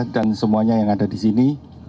dan semuanya yang ada disini